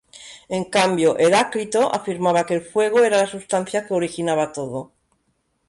En cambio, Heráclito afirmaba que el fuego era la sustancia que originaba todo.